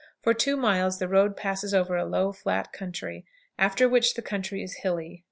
For two miles the road passes over a low, flat country, after which the country is hilly.